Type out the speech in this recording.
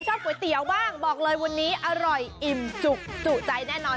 ชอบก๋วยเตี๋ยวบ้างบอกเลยวันนี้อร่อยอิ่มจุกจุใจแน่นอน